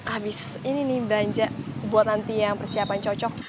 abis ini nih belanja buat nanti yang persiapan cocok